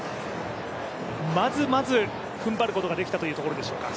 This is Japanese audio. まずまずふんばることができたというところでしょうか。